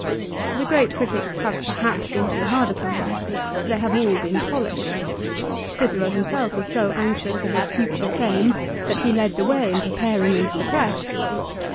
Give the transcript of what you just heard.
The great critics have perhaps been too hard upon them. They have all been polished. Cicero himself was so anxious for his future fame that he led the way in preparing them for the press.